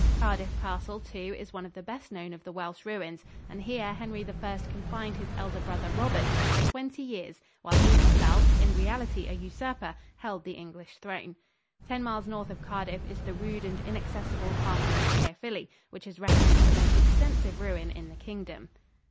Cardiff Castle, too, is one of the best known of the Welsh ruins, and here Henry I confined his elder brother Robert for twenty years while he himself, in reality a usurper, held the English throne. Ten miles north of Cardiff is the rude and inaccessible castle of Caerphilly, which is reckoned the most extensive ruin in the Kingdom.